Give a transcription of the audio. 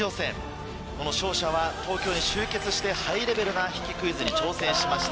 この勝者は東京に集結してハイレベルな筆記クイズに挑戦しました。